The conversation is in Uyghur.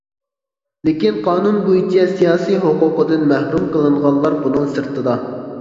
لېكىن، قانۇن بويىچە سىياسىي ھوقۇقىدىن مەھرۇم قىلىنغانلار بۇنىڭ سىرتىدا.